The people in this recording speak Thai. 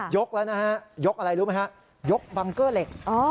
กแล้วนะฮะยกอะไรรู้ไหมฮะยกบังเกอร์เหล็ก